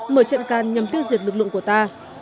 bộ trận can nhằm tư diệt lực lượng của ta